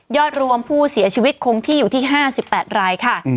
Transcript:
รวมผู้เสียชีวิตคงที่อยู่ที่๕๘รายค่ะ